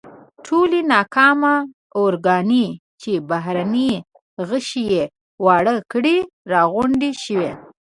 ټولې ناکامه ارواګانې چې بهرني غشي یې وار کړي راغونډې شوې.